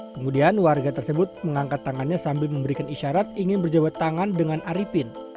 kemudian warga tersebut mengangkat tangannya sambil memberikan isyarat ingin berjabat tangan dengan arifin